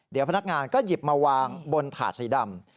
เดี๋ยวพนักงานก็หยิบมาวางบนถาดสีดำ